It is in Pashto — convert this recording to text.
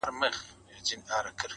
له غاړګیو به لمني تر لندنه ورځي؛